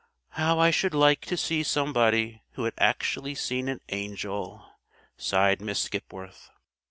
"How I should like to see somebody who had actually seen an angel!" sighed Miss Skipworth.